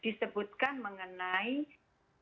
disebutkan mengenai pihak pihak yang